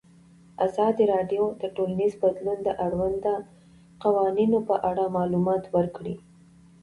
ازادي راډیو د ټولنیز بدلون د اړونده قوانینو په اړه معلومات ورکړي.